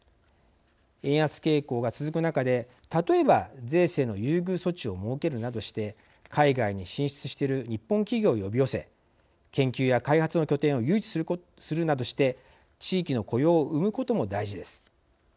円安傾向が続く中で例えば、税制の優遇措置を設けるなどして海外に進出している日本企業を呼び寄せ研究や開発の拠点を誘致するなどして地域の雇用を生むことも大事です。